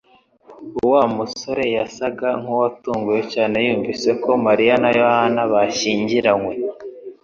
Wa musore yasaga nkuwatunguwe cyane yumvise ko Mariya na Yohana bashyingiranywe